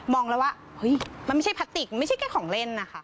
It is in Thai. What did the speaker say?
แล้วว่าเฮ้ยมันไม่ใช่พลาสติกไม่ใช่แค่ของเล่นนะคะ